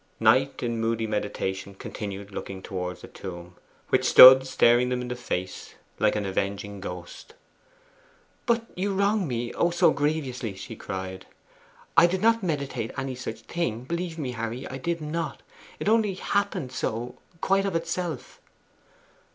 Knight, in moody meditation, continued looking towards the tomb, which stood staring them in the face like an avenging ghost. 'But you wrong me Oh, so grievously!' she cried. 'I did not meditate any such thing: believe me, Harry, I did not. It only happened so quite of itself.